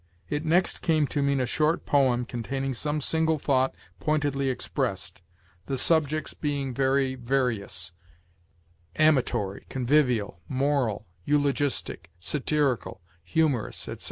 It next came to mean a short poem containing some single thought pointedly expressed, the subjects being very various amatory, convivial, moral, eulogistic, satirical, humorous, etc.